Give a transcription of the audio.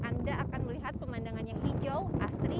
anda akan melihat pemandangan yang hijau asri